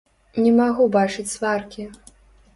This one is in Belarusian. Не магу бачыць сваркі.